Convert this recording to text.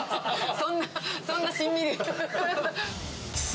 そんなしんみりと。